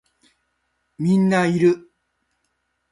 みんないる